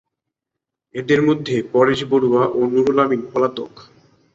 এঁদের মধ্যে পরেশ বড়ুয়া ও নুরুল আমিন পলাতক।